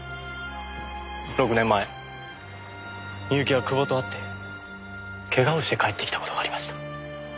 ６年前深雪は久保と会ってケガをして帰ってきた事がありました。